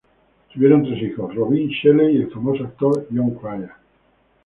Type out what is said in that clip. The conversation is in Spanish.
Tuvieron tres hijos; Robin, Shelley y el famoso actor Jon Cryer.